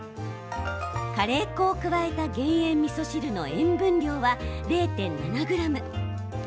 カレー粉を加えた減塩みそ汁の塩分量は０．７ｇ。